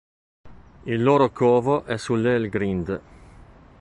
Il loro covo è sull'Helgrind.